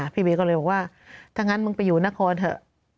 พี่เวย์ก็เลยบอกว่าถ้างั้นมึงไปอยู่นครเถอะ